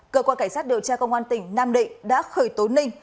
cơ quan cảnh sát điều tra công an tỉnh nam định đã khởi tố ninh